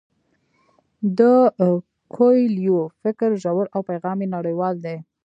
د کویلیو فکر ژور او پیغام یې نړیوال دی.